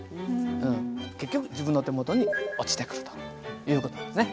結局自分の手元に落ちてくるという事ですね。